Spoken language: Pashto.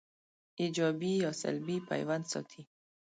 ایجابي یا سلبي پیوند ساتي